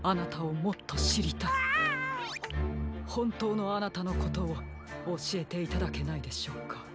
ほんとうのあなたのことをおしえていただけないでしょうか？